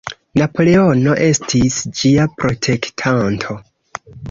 Napoleono estis ĝia "protektanto".